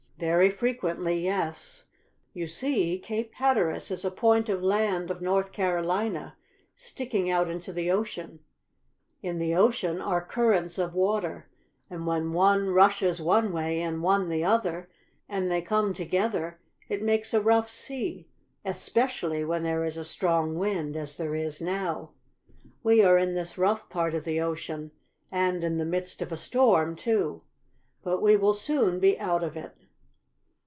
"Very frequently, yes. You see Cape Hatteras is a point of land of North Carolina, sticking out into the ocean. In the ocean are currents of water, and when one rushes one way and one the other, and they come together, it makes a rough sea, especially when there is a strong wind, as there is now. We are in this rough part of the ocean, and in the midst of a storm, too. But we will soon be out of it."